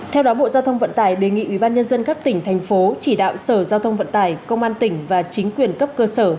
theo đó bộ giao thông vận tải đề nghị ubnd các tỉnh thành phố chỉ đạo sở giao thông vận tải công an tỉnh và chính quyền cấp cơ sở